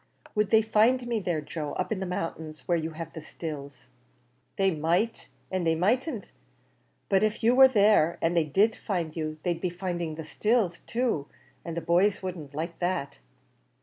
"Would they find me there, Joe, up in the mountains, where you have the stills?" "They might, and they mightn't; but if you war there, an' they did find you, they'd be finding the stills too, an' the boys wouldn't like that."